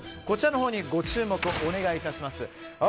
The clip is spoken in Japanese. こちらのほうにご注目をお願い致します。